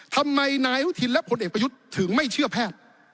ทำไมนายอนุทินและผลเอกประยุทธ์ถึงไม่เชื่อแพทย์